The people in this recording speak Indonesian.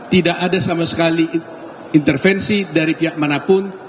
tidak ada sama sekali intervensi dari pihak manapun